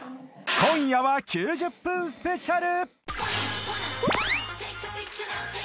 今夜は９０分スペシャル！